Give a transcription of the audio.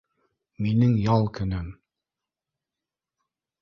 — Минең ял көнөм